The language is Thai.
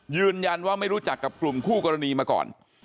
ยืนยันว่าไม่รู้จักกับกลุ่มคู่กรณีมาก่อน